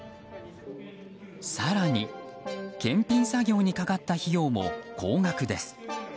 更に検品作業にかかった費用も高額です。